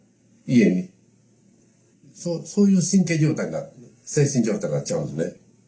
そういう精神状態になっちゃうんですね。